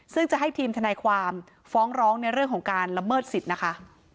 ซึ่งจะให้ทีมทนายความฟ้องร้องในเรื่องของการละเมิดสิทธิ์นะคะ